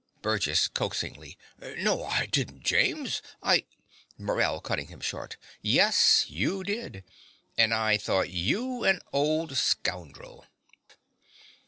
BURGESS (coaxingly). No, I didn't, James. I MORELL (cutting him short). Yes, you did. And I thought you an old scoundrel.